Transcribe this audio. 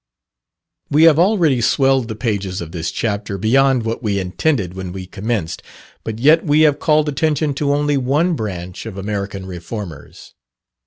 We have already swelled the pages of this chapter beyond what we intended when we commenced, but yet we have called attention to only one branch of American Reformers.